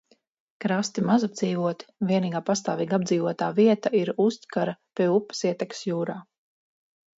Krasti mazapdzīvoti, vienīgā pastāvīgi apdzīvotā vieta ir Ustjkara pie upes ietekas jūrā.